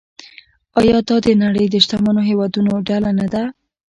آیا دا د نړۍ د شتمنو هیوادونو ډله نه ده؟